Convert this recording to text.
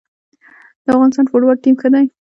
د افغانستان فوتبال ټیم ښه دی